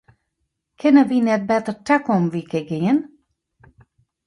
Kinne wy net better takom wike gean?